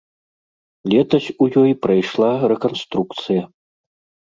Летась у ёй прайшла рэканструкцыя.